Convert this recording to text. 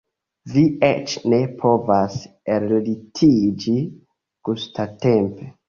Vi eĉ ne povas ellitiĝi gustatempe?